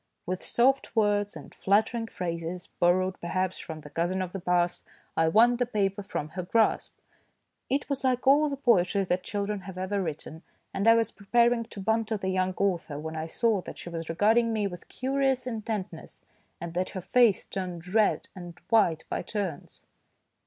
With soft words and flattering phrases, borrowed, perhaps, from the cousin of the past, I won the paper from her grasp. It was like all 166 THE DAY BEFORE YESTERDAY the poetry that children have ever written, and I was preparing to banter the young author when I saw that she was regarding me with curious intentness, and that her face turned red and white by turns.